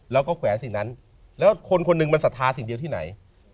แล้วก็แขวนสิ่งนั้นแล้วคนคนหนึ่งมันศรัทธาสิ่งเดียวที่ไหน